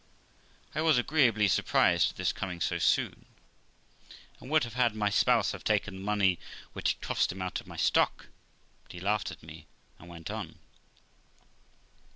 I was ageeably surprised at this coming so soon, and would have had my spouse have taken the money which it cost him out of my stock, but he laughed at me, and went on.